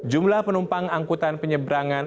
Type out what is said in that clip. jumlah penumpang angkutan penyeberangan